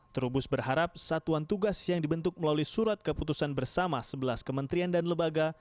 terubus berharap satuan tugas yang dibentuk melalui surat keputusan bersama sebelas kementerian dan lembaga